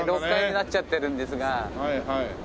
６階になっちゃってるんですが。